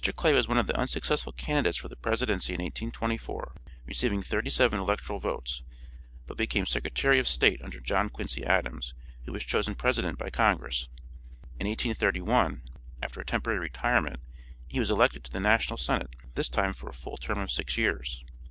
Clay was one of the unsuccessful candidates for the presidency in 1824, receiving thirty seven electoral votes, but became Secretary of State under John Quincy Adams, who was chosen president by Congress. In 1831, after a temporary retirement, he was elected to the National Senate, this time for a full term of six years.